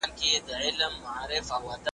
هسي نه چي څوک دي هی کړي په ګورم کي د غوایانو ,